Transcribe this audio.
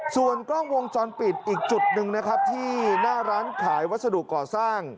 ส่วนกล้องวงจรปิดอีกจุดหนึ่งนะครับที่หน้าร้านขายวัสดุก่อสร้าง